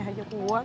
kalau ada wie wak